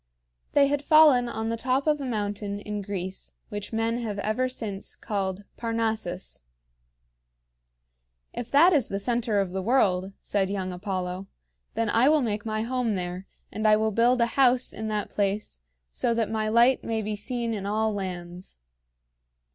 They had fallen on the top of a mountain in Greece which men have ever since called Parnassus. "If that is the center of the world," said young Apollo, "then I will make my home there, and I will build a house in that place, so that my light may be seen in all lands."